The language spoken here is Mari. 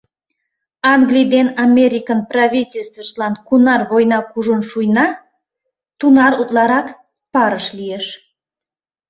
Англий ден Америкын правительствыштлан кунар война кужун шуйна, тунар утларак парыш лиеш.